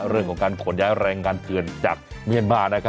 เรื่องของการขนย้ายแรงงานเกินจากเมียนบ้านนะครับ